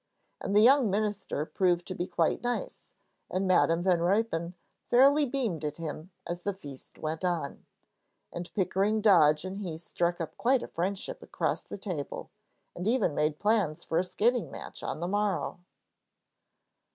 And the young minister proved to be quite nice, and Madam Van Ruypen fairly beamed at him as the feast went on. And Pickering Dodge and he struck up quite a friendship across the table, and even made plans for a skating match on the morrow.